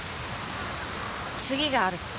次があるって。